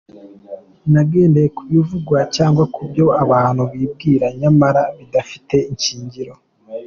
Ntagendeye ku bivugwa cyangwa ku byo abantu bibwira nyamara bidafite ishingiro.